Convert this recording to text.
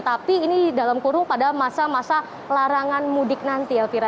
tapi ini dalam kurung pada masa masa larangan mudik nanti elvira